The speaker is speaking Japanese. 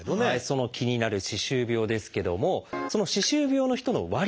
その気になる歯周病ですけどもその歯周病の人の割合